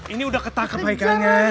ini udah ketakar baikannya